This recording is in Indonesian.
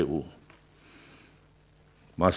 itu belum ada perubahan